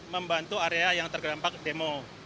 membantu area yang terdampak demo